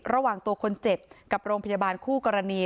ระหว่างตัวคนเจ็บกับโรงพยาบาลคู่กรณี